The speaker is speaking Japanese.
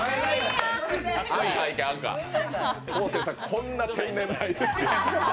昴生さん、こんな天然ですよ